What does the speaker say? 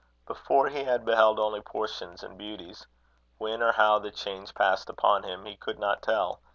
Before, he had beheld only portions and beauties. When or how the change passed upon him he could not tell.